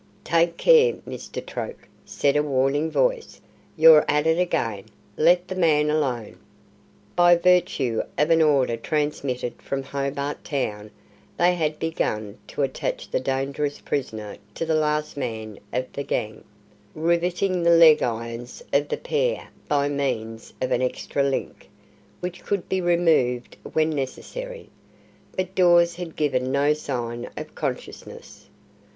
"Take care, Mr. Troke," said a warning voice, "you're at it again! Let the man alone!" By virtue of an order transmitted from Hobart Town, they had begun to attach the dangerous prisoner to the last man of the gang, riveting the leg irons of the pair by means of an extra link, which could be removed when necessary, but Dawes had given no sign of consciousness.